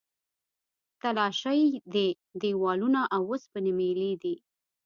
تلاشۍ دي، دیوالونه او اوسپنې میلې دي.